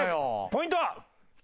１ポイント！